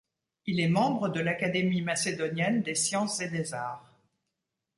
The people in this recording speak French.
Il est membre de l'Académie macédonienne des Sciences et des Arts.